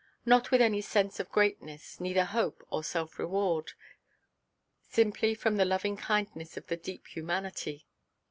Not with any sense of greatness, neither hope of self–reward, simply from the loving–kindness of the deep humanity.